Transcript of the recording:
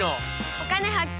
「お金発見」。